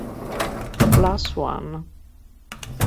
Plus One